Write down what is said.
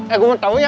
eh gue mau tau ya